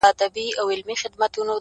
زه وايم راسه حوصله وكړو،